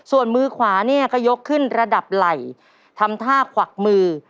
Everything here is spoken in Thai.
ส่วนมือขวาเนี่ยก็ยกขึ้นระดับไหล่ทำท่าขวักมือ